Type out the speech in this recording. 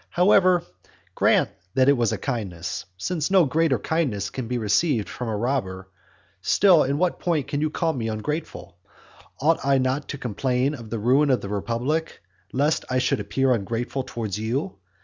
However, grant that it was a kindness, since no greater kindness could be received from a robber, still in what point can you call me ungrateful? Ought I not to complain of the ruin of the republic, lest I should appear ungrateful towards you?